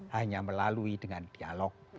hanya melalui dengan dialog